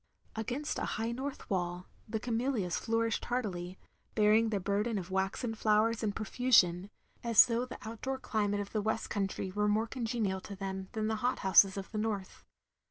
Against a high north wall, the camellias flour ished hardily, bearing their burden of waxen flowers in profusion, as though the outdoor climate of the West Country were more congenial to them than the hothouses of the North.